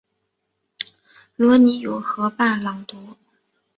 罗尼永河畔朗科。